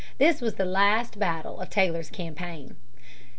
This was the last battle of Taylor's campaign.